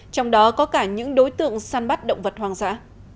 trong đó có cả những đối tượng săn bắt động vật hoang dã